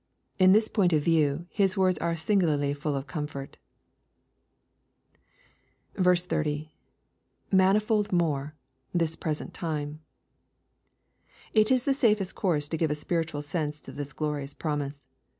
Li this point of view. His words are singularly full of comfort. 30. — [Mam/old more,.. this present tims.] It is the safest course to give a spiritual sense to this glorious promise.